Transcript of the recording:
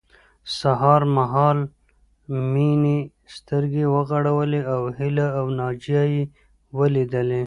سهار مهال مينې سترګې وغړولې او هيله او ناجيه يې وليدلې